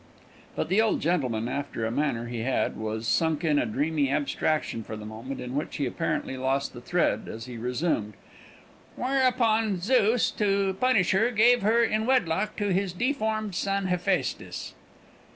But the old gentleman, after a manner he had, was sunk in a dreamy abstraction for the moment, in which he apparently lost the thread, as he resumed, "Whereupon Zeus, to punish her, gave her in wedlock to his deformed son, Hephæstus."